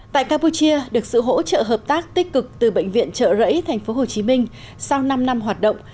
tại campuchia được sự hỗ trợ hợp tác tích cực từ bệnh viện trợ rẫy tp hcm sau năm năm hoạt động